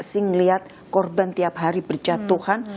saya melihat korban tiap hari berjatuhan